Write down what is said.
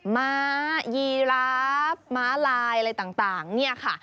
ม้ายีราฟม้าลายอะไรต่างเนี่ยค่ะ